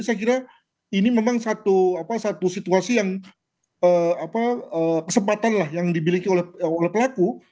ini memang satu situasi yang kesempatan lah yang dibiliki oleh pelaku